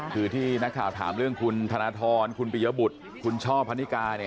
คือที่นักข่าวถามเรื่องคุณธนทรคุณปิยบุตรคุณช่อพนิกา